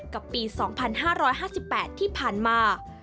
กับปี๒๕๕๘ที่ผ่านมา